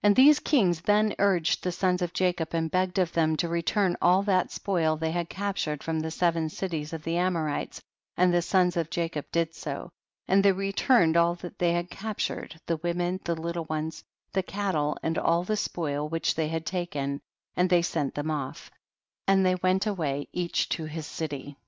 50. And these kings then urged the sons of Jacob and begged of them to return all that spoil they had cap tured from the seven cities of the Amorites, and the sons of Jacob did so, and they returned all that they had captured, the women, the little ones, the cattle and all the spoil •which they had taken, and they sent them off, and they went away each to his city.